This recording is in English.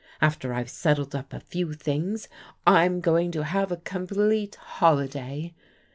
After I've settled up a few things, I'm going to have a com plete holiday.